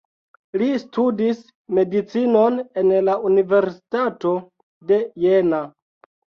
Li studis medicinon en la Universitato de Jena.